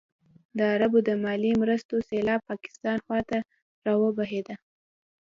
د عربو د مالي مرستو سېلاب پاکستان خوا ته راوبهېده.